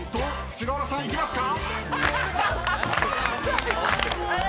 菅原さんいきますか？］